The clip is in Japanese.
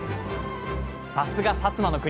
さすが薩摩の国！